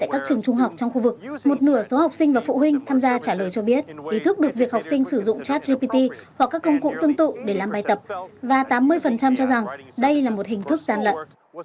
trong trường trung học trong khu vực một nửa số học sinh và phụ huynh tham gia trả lời cho biết ý thức được việc học sinh sử dụng chat gpt hoặc các công cụ tương tự để làm bài tập và tám mươi cho rằng đây là một hình thức gian lận